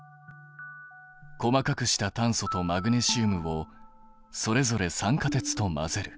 細かくした炭素とマグネシウムをそれぞれ酸化鉄と混ぜる。